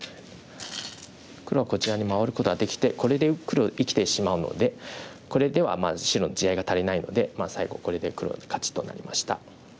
黒はこちらに回ることができてこれで黒生きてしまうのでこれでは白の地合いが足りないので最後これで黒の勝ちとなりました。